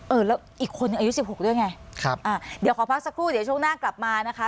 เออแล้วอีกคนนึงอายุสิบหกด้วยไงครับอ่าเดี๋ยวขอพักสักครู่เดี๋ยวช่วงหน้ากลับมานะคะ